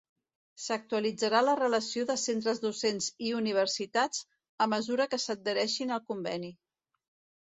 S'actualitzarà la relació de centres docents i universitats a mesura que s'adhereixin al conveni.